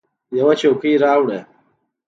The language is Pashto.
یوه څوکۍ راوړه !